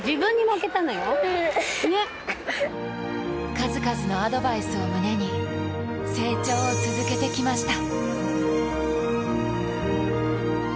数々のアドバイスを胸に成長を続けてきました。